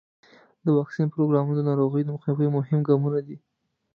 د واکسین پروګرامونه د ناروغیو د مخنیوي مهم ګامونه دي.